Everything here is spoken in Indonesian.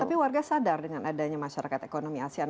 tapi warga sadar dengan adanya masyarakat ekonomi asean